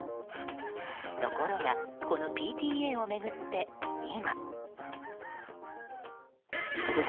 ところがこのＰＴＡを巡って今。